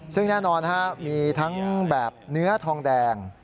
ซึ่งแน่นอนมีทั้งแบบเนื้อทองแดง